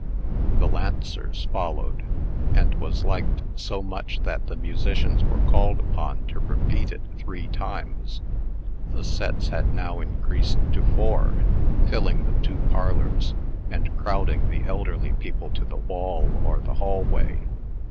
The Lancers followed, and was liked so much that the musicians were called upon to repeat it three times. The sets had now increased to four, filling the two parlors, and crowding the elderly people to the wall or the hallway.